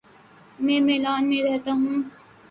میں میلان میں رہتا ہوں